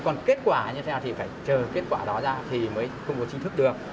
còn kết quả như thế nào thì phải chờ kết quả đó ra thì mới không có chính thức được